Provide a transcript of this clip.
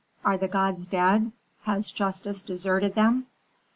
Are the gods dead? Has justice deserted them?"